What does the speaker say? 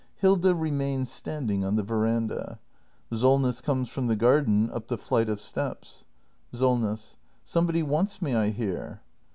Hilda remains standing on the veranda. Sol ness comes from the garden, up the flight of steps. Solness. Somebody wants me, I hear.